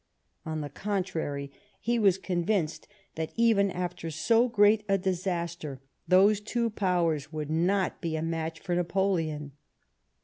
On the contrary, he was convinced that, even after so great a disaster, those two powers would not be a match for Napoleon.